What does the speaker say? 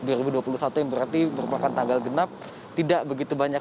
berarti merupakan tanggal genap tidak begitu banyak